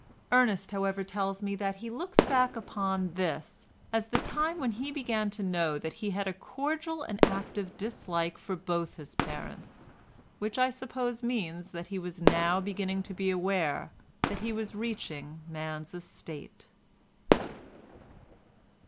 Ernest, however, tells me that he looks back upon this as the time when he began to know that he had a cordial and active dislike for both his parents, which I suppose means that he was now beginning to be aware that he was reaching man's estate.